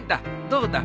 どうだ？